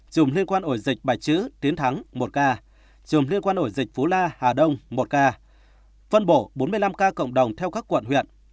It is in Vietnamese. trùm liên quan ổ dịch bài chữ tiến thắng một ca trùm liên quan ổ dịch phú la hà đông một ca phân bố bốn mươi năm ca cộng đồng theo các quận huyện